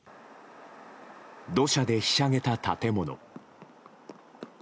土砂でひしゃげた建物。